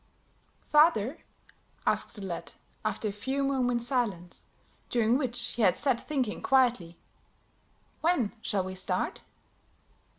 "Father," asked the lad, after a few moments' silence, during which he had sat thinking quietly, "when shall we start?"